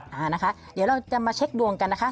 อ่านะคะเดี๋ยวเราจะมาเช็คดวงกันนะคะ